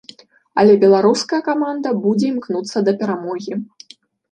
Але беларуская каманда будзе імкнуцца да перамогі.